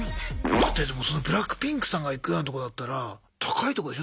だってでもＢＬＡＣＫＰＩＮＫさんが行くようなとこだったら高いとこでしょ。